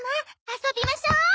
遊びましょ！